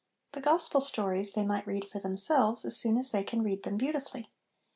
The gospel stories, they might read for themselves as soon as they can read them beauti fully.